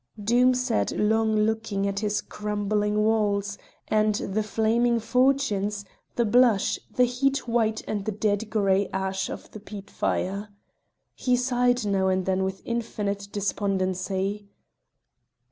Doom sat long looking at his crumbling walls, and the flaming fortunes, the blush, the heat white and the dead grey ash of the peat fire. He sighed now and then with infinite despondency.